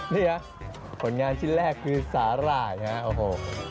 เนี่ยผลงานชิ้นแรกคือสาหร่ายนะครับโอ้โห